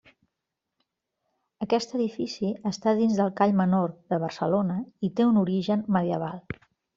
Aquest edifici està dins del call menor de Barcelona i té un origen medieval.